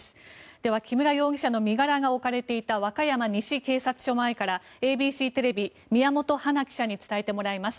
では、木村容疑者の身柄が置かれていた和歌山西警察署前からＡＢＣテレビ宮本華記者に伝えてもらいます。